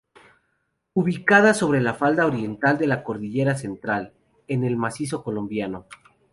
Ubicada sobre la falda oriental de la cordillera central, en el Macizo Colombiano.